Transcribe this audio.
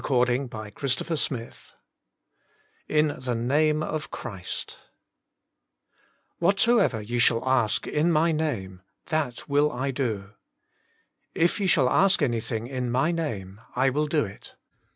A PLEA FOR MORE PRAYER CHAPTER XI In tije flame of Christ * Whatsoever ye shall ask in My Name, that will I do. If ye shall ask anything in My Name, I will do it.